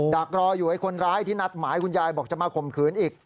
ดักรออยู่ไอ้คนร้ายที่นัดหมายคุณยายบอกจะมาข่มขืนอีก